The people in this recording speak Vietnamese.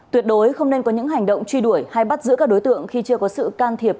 tuyệt đối không nên có những hành động truy đuổi hay bắt giữ các đối tượng khi chưa có sự can thiệp